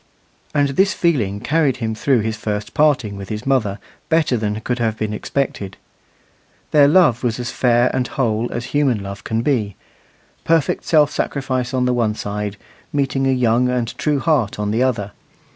And this feeling carried him through his first parting with his mother better than could have been expected. Their love was as fair and whole as human love can be perfect self sacrifice on the one side meeting a young and true heart on the other.